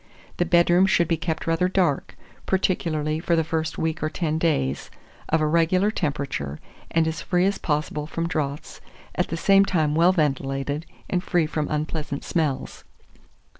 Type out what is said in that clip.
The bedroom should be kept rather dark, particularly for the first week or ten days; of a regular temperature, and as free as possible from draughts, at the same time well ventilated and free from unpleasant smells.